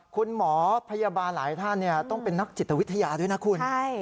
คุณหมอพยาบาลหลายท่านต้องเป็นนักจิตวิทยาด้วยนะคุณ